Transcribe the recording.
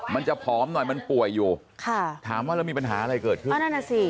มันจะผอมหน่อยมันป่วยอยู่ถามว่าเรามีปัญหาอะไรเกิดขึ้น